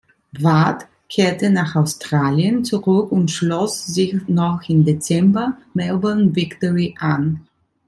Ward kehrte nach Australien zurück und schloss sich noch im Dezember Melbourne Victory an.